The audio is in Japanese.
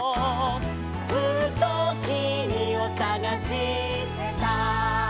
「ずっときみをさがしてた」